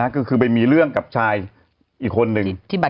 ก็คือไปมีเรื่องกับชายอีกคนนึง